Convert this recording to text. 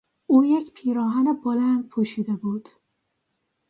او یک پیراهن بلند پوشیده بود.